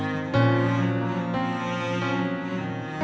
ibu mau berubah